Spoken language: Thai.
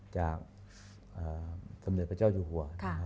สมเด็จพระเจ้าอยู่หัว